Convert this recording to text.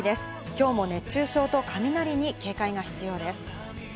きょうも熱中症と雷に警戒が必要です。